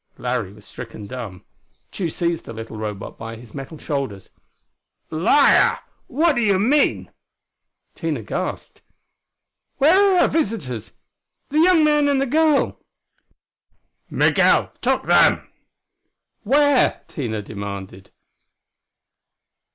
Larry was stricken dumb. Tugh seized the little Robot by his metal shoulders. "Liar! What do you mean?" Tina gasped, "Where are our visitors the young man and the girl?" "Migul took them!" "Where?" Tina demanded.